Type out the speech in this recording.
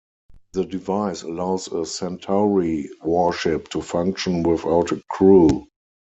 The device allows a Centauri warship to function without a crew.